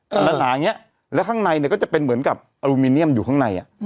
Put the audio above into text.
หนาหนาอย่างเงี้ยแล้วข้างในเนี้ยก็จะเป็นเหมือนกับอยู่ข้างในอ่ะอืม